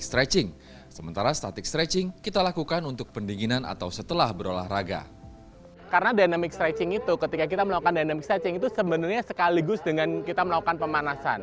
karena dynamic stretching itu ketika kita melakukan dynamic stretching itu sebenarnya sekaligus dengan kita melakukan pemanasan